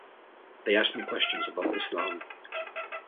They asked me questions about Islam.